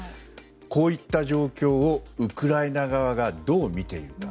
こういった状況をウクライナ側がどう見ているか。